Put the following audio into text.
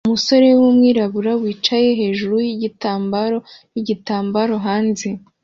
umusore wumwirabura wicaye hejuru yigitambaro nigitambaro hanze